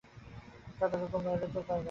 দাদার হুকুম নইলে তো উপায় নেই।